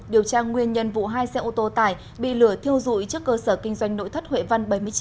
điều tra nguyên nhân vụ hai xe ô tô tải bị lửa thiêu dụi trước cơ sở kinh doanh nội thất huệ văn bảy mươi chín